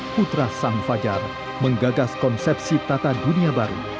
putra sang fajar menggagas konsepsi tata dunia baru